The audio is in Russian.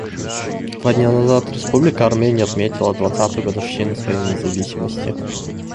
Два дня назад Республика Армения отметила двадцатую годовщину своей независимости.